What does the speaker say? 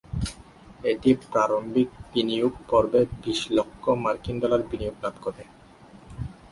এটি প্রারম্ভিক বিনিয়োগ পর্বে বিশ লক্ষ মার্কিন ডলার বিনিয়োগ লাভ করে।